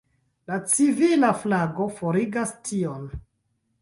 La civila flago forigas tion.